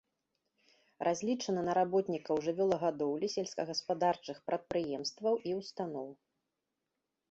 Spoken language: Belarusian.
Разлічана на работнікаў жывёлагадоўлі сельскагаспадарчых прадпрыемстваў і устаноў.